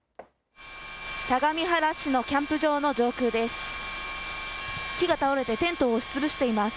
相模原市のキャンプ場の上空です。